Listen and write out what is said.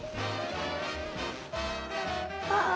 あ。